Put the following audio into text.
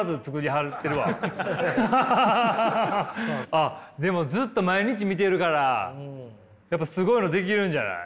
あっでもずっと毎日見てるからやっぱすごいの出来るんじゃない？